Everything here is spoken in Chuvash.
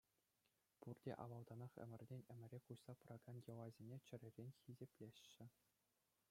Пурте авалтанах ӗмӗртен ӗмӗре куҫса пыракан йӑласене чӗререн хисеплеҫҫӗ.